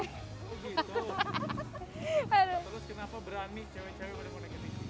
oh gitu terus kenapa berani cewek cewek boleh mau naik etv